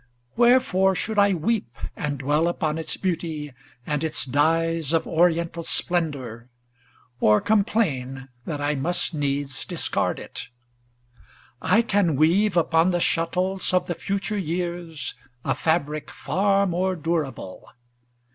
Wherefore should I weep And dwell upon its beauty, and its dyes Of oriental splendor, or complain That I must needs discard it? I can weave Upon the shuttles of the future years A fabric far more durable.